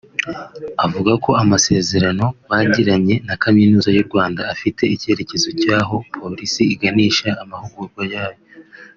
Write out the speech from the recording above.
avuga ko amasezerano bagiranye na Kaminuza y’u Rwanda afite icyerekezo cy’aho polisi iganisha amahugurwa yayo